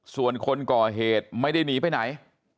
ส่วนคนก่อเหตุไม่ได้หนีไปไหน